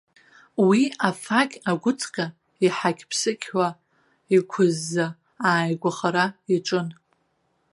Уи афақь агәыҵҟьа, иҳақь-ԥсықьуа, иқәызза ааигәахара иаҿын.